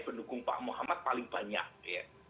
pendukung pak muhammad paling banyak ya